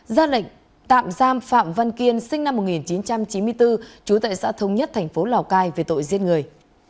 ra lệnh tạm giam phạm văn kiên sinh năm một nghìn chín trăm chín mươi bốn chú tệ xã thống nhất tp lào cai về tội giết người